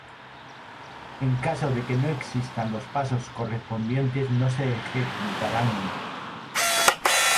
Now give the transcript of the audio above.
En caso de que no existan los pasos correspondientes no se ejecutarán.